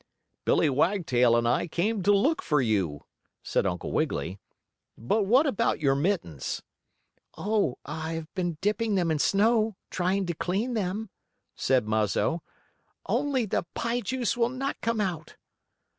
"Billie Wagtail and I came to look for you," said Uncle Wiggily. "But what about your mittens?" "Oh, I have been dipping them in snow, trying to clean them," said Muzzo. "Only the pie juice will not come out."